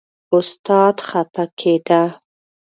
استاد خپه کېده.